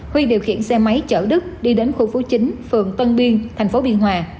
huy điều khiển xe máy chở đức đi đến khu phố chín phường tân biên thành phố biên hòa